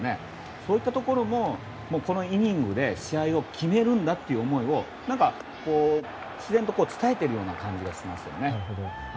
そういったところもこのイニングで試合を決めるんだって思いを自然と伝えているような感じがしますよね。